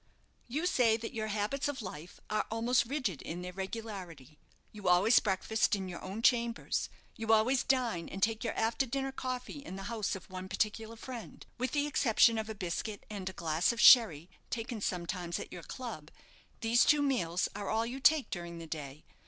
"You say that your habits of life are almost rigid in their regularity. You always breakfast in your own chambers; you always dine and take your after dinner coffee in the house of one particular friend. With the exception of a biscuit and a glass of sherry taken sometimes at your club, these two meals are all you take during the day.